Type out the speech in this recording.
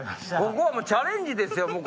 ここはチャレンジですよ